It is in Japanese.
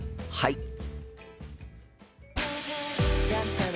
はい。